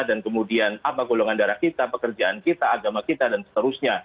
dan kemudian apa golongan darah kita pekerjaan kita agama kita dan seterusnya